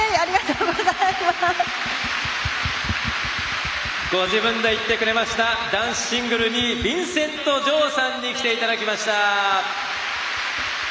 ご自分で言ってくれました男子シングル２位ビンセント・ジョウさんに来ていただきました。